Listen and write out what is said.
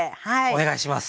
お願いします。